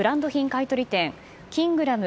買い取り店キングラム